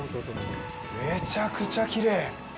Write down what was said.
めちゃくちゃきれい。